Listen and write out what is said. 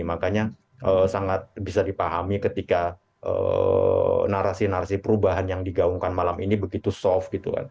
makanya sangat bisa dipahami ketika narasi narasi perubahan yang digaungkan malam ini begitu soft gitu kan